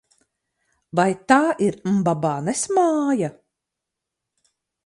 Vai tā ir Mbabanes māja?